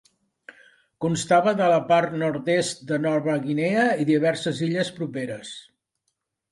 Constava de la part nord-est de Nova Guinea i diverses illes properes.